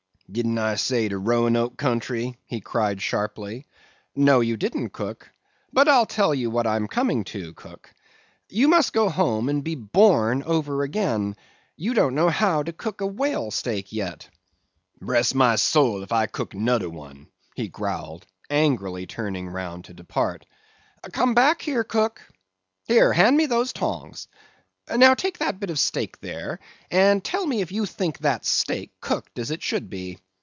"Didn't I say de Roanoke country?" he cried sharply. "No, you didn't, cook; but I'll tell you what I'm coming to, cook. You must go home and be born over again; you don't know how to cook a whale steak yet." "Bress my soul, if I cook noder one," he growled, angrily, turning round to depart. "Come back, cook;—here, hand me those tongs;—now take that bit of steak there, and tell me if you think that steak cooked as it should be?